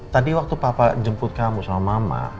tadi waktu papa jemput kamu sama mama